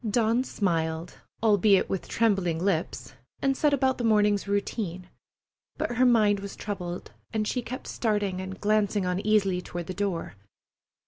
Dawn smiled, albeit with trembling lips, and set about the morning's routine; but her mind was troubled, and she kept starting and glancing uneasily toward the door.